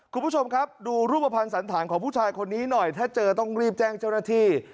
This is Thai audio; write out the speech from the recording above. คุณผู้ชมครับดูรูปภัณฑ์สันธารของผู้ชายคนนี้หน่อยถ้าเจอต้องรีบแจ้งเจ้าหน้าที่